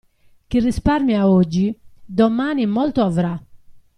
Chi risparmia oggi, domani molto avrà.